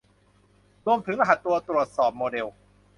รวมถึงรหัส ตัวตรวจสอบ โมเดล